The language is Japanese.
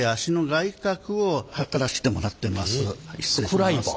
失礼します。